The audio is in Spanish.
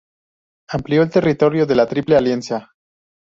Amplió el territorio de la Triple Alianza.